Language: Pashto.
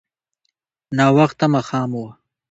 ناوخته ماښام و.